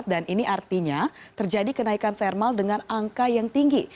dan ini artinya terjadi kenaikan thermal dengan angka yang tinggi